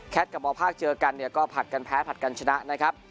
กับมภาคเจอกันเนี่ยก็ผลัดกันแพ้ผลัดกันชนะนะครับ